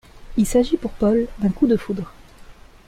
Il s'agit pour Paul d'un coup de foudre.